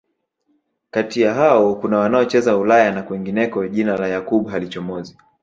Kati ya hao kuna wanaocheza Ulaya na kwingineko Jina la Yakub halichomozi